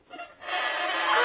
あ！